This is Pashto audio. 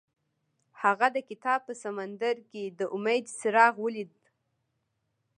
هغه د کتاب په سمندر کې د امید څراغ ولید.